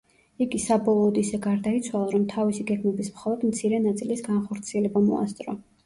იგი საბოლოოდ ისე გარდაიცვალა, რომ თავისი გეგმების მხოლოდ მცირე ნაწილის განხორციელება მოასწრო.